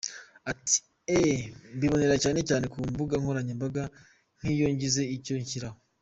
Ati :”Eeeeh mbibonera cyane cyane ku mbuga nkoranyambaga nk’iyo ngize icyo nshyiraho.